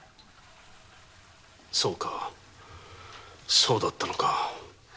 そうかそうだったのか。